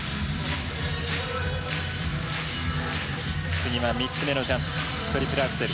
次は３つ目のジャンプトリプルアクセル。